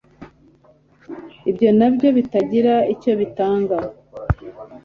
ibyo nabyo bitagira icyo bitanga,